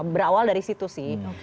berawal dari situ sih